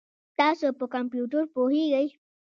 تاسو په کمپیوټر پوهیږئ؟